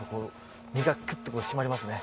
身がクッと締まりますね